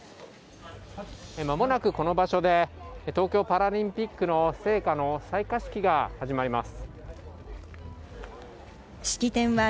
間もなくこの場所で東京パラリンピックの聖火の採火式が始まります。